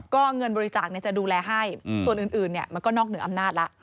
ก็เงินบริจาคจะดูแลให้ส่วนอื่นมันก็นอกเหนืออำนาจแล้ว